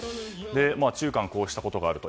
中韓、こうしたことがあると。